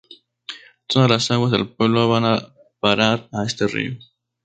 Todas las aguas del pueblo van a parar a este río.